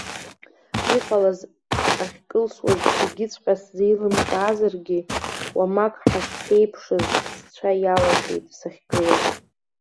Иҟалаз ахькылсуаз зегьыҵәҟьа сзеилымкаазаргьы, уамак шаҳԥеиԥшыз сцәа иалашәеит сахьгылаз.